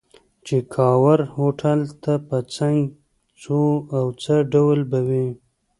چې کاوور هوټل ته به څنګه ځو او څه ډول به وي.